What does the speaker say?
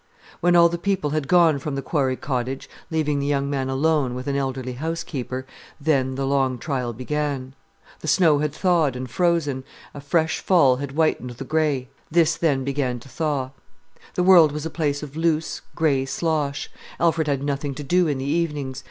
When all the people had gone from the Quarry Cottage, leaving the young man alone with an elderly housekeeper, then the long trial began. The snow had thawed and frozen, a fresh fall had whitened the grey, this then began to thaw. The world was a place of loose grey slosh. Alfred had nothing to do in the evenings.